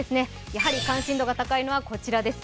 やはり関心度が高いのはこちらです。